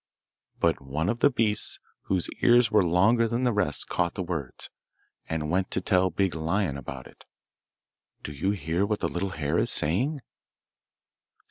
But one of the beasts whose ears were longer than the rest caught the words, and went to tell Big Lion about it. Do you hear what the little hare is saying?